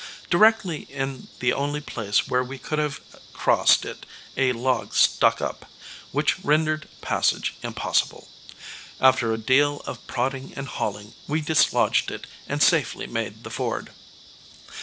Directly in the only place where we could have crossed it a log stuck up, which rendered passage impossible. After a deal of prodding and hauling, we dislodged it and safely made the ford.